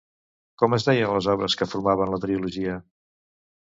Com es deien les obres que formaven la trilogia?